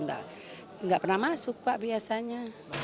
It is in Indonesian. nggak pernah masuk pak biasanya